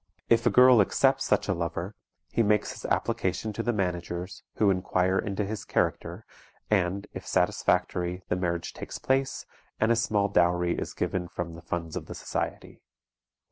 If a girl accepts such a lover, he makes his application to the managers, who inquire into his character, and, if satisfactory, the marriage takes place, and a small dowry is given from the funds of the society.